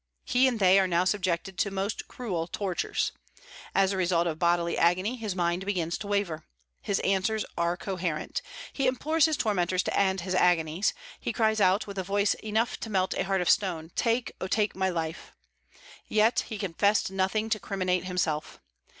He and they are now subjected to most cruel tortures. As the result of bodily agony his mind begins to waver. His answers are incoherent; he implores his tormentors to end his agonies; he cries out, with a voice enough to melt a heart of stone, "Take, oh, take my life!" Yet he confessed nothing to criminate himself.